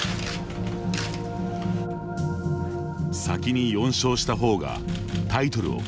先に４勝した方がタイトルを獲得します。